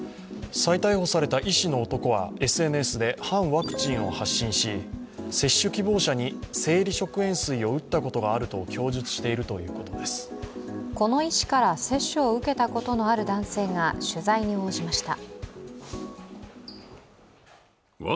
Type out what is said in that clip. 再逮捕された医師の男はＳＮＳで反ワクチンを接種し、接種希望者に生理食塩水を打ったことがあるとこの医師から接種を受けたことがある男性が取材に応じました。